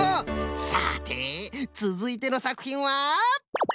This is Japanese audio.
さてつづいてのさくひんは？